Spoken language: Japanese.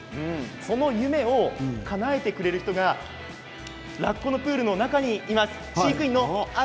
その夢をかなえてくれる人がラッコのプールの中にいます。